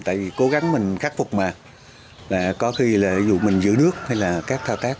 tại vì cố gắng mình khắc phục mà có khi là dù mình giữ nước hay là các thao tác